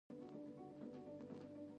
چا بهلول ته خبر راوړ چې ښځه دې کور ته راغله.